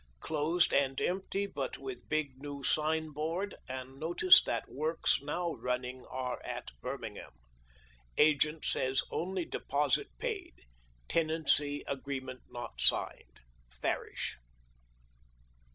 Closed and empty hut loith big neio signboard and notice that loorks noio running are at Birmingham. Agent says only deposit paid — tenancy agreement not signed. — Farrish.